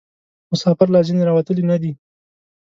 مسافر لا ځني راوتلي نه دي.